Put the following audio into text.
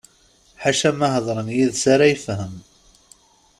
Ḥaca ma hedren yid-s ara yefhem.